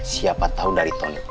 siapa tahu dari tony